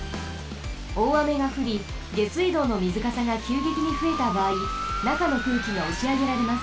おおあめがふりげすいどうのみずかさがきゅうげきにふえたばあいなかのくうきがおしあげられます。